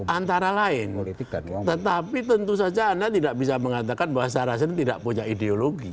antara lain tetapi tentu saja anda tidak bisa mengatakan bahwa sarah sendiri tidak punya ideologi